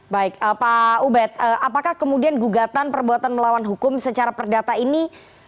baik pak ubed apakah kemudian gugatan perbuatan melawan hukum secara perdata ini